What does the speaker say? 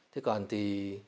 thế còn thì